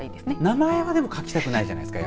名前を書きたくないじゃないですか。